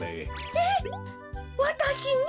えっわたしに？